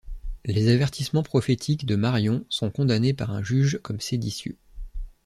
Les avertissements prophétiques de Marion sont condamnés par un juge comme séditieux.